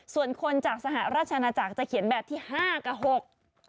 ส่วนคนจากสหราชนาจักรจะเขียนแบบที่ห้ากับหก